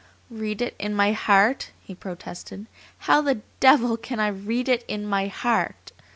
"Read it in my heart!" he protested. "How the devil can I read it in my heart?